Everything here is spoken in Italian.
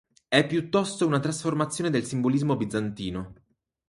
È piuttosto una trasformazione del simbolismo bizantino.